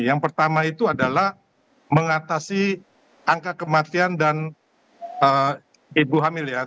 yang pertama itu adalah mengatasi angka kematian dan ibu hamil ya